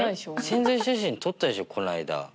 宣材写真撮ったでしょこの間。